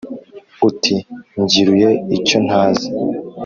uti: mbyiruye icyontazi